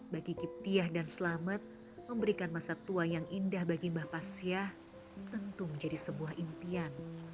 bagi kiptyah dan selamet memberikan masa tua yang indah bagi mbak pasya tentu menjadi sebuah impian